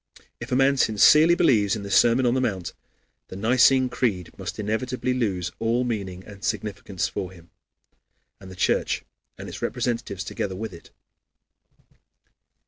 If a man sincerely believes in the Sermon on the Mount, the Nicene Creed must inevitably lose all meaning and significance for him, and the Church and its representatives together with it.